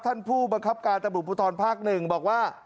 ท่านผู้บังคับการตำรวจภูทรภาค๑บอกว่า